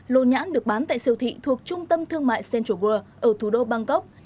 lô nhãn được bán tại siêu thị thuộc trung tâm thương mại central world ở thủ đô bangkok